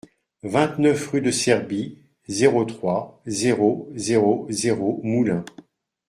vingt-neuf rue de Serbie, zéro trois, zéro zéro zéro, Moulins